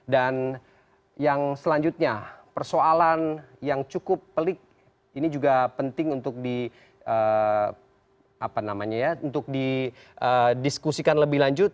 dan yang selanjutnya persoalan yang cukup pelik ini juga penting untuk didiskusikan lebih lanjut